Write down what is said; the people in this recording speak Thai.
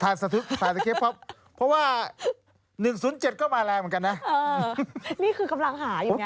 ถ่ายสกริปเพราะว่า๑๐๗ก็มาแรงเหมือนกันนะนี่คือกำลังหาอยู่เนี่ย